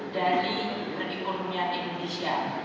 dari perekonomian indonesia